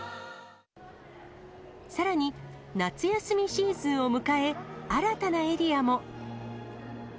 さらに夏休みシーズンを迎え、新たなエリアも。